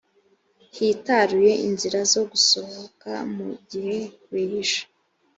hitaruye inzira zo gusohoka mu gihe wihisha